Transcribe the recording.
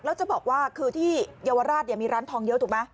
แล้วจะบอกว่าคือที่เยาวราชมีร้านทองเยอะถูกไหม